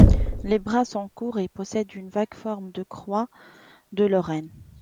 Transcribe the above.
Les bras sont courts et possède une vague forme de croix de Lorraine.